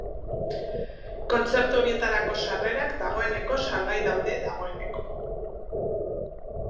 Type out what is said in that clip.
Kontzertu horietarako sarrerak dagoeneko salgai daude dagoeneko.